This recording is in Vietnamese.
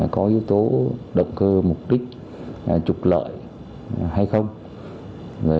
có yếu tố động cơ mục đích trục lợi hay không